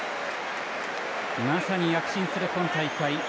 まさに、躍進する今大会。